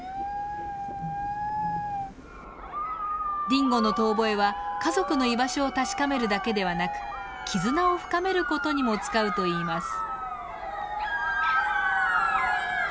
ディンゴの遠ぼえは家族の居場所を確かめるだけではなく絆を深める事にも使うといいます。